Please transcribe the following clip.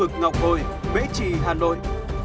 khu vực ngọc hồi bể trì hà nội